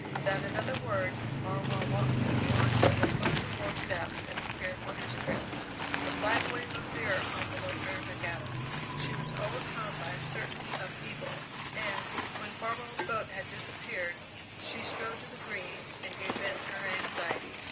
Without another word Farwell walked to his launch at the foot of the wharf steps and prepared for his trip. A black wave of fear enveloped Mary McAdam. She was overcome by a certainty of evil, and, when Farwell's boat had disappeared, she strode to the Green and gave vent to her anxiety.